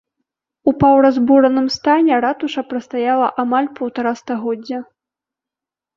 У паўразбураным стане ратуша прастаяла амаль паўтара стагоддзя.